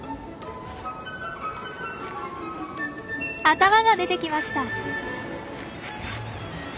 頭が出てきました。